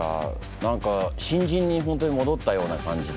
何か新人にほんとに戻ったような感じで。